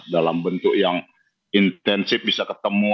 dalam bentuk yang intensif bisa ketemu